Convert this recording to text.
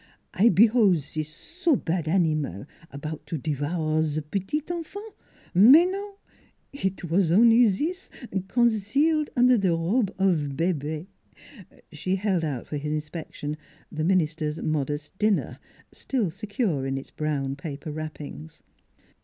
I behold zis so bad animal about to devour ze petit enfant! mais non; it was only zis conceal under robe of bebe." She held out for his inspection the minister's modest dinner, still secure in its brown paper wrappings.